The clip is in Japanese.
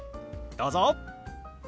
どうぞ！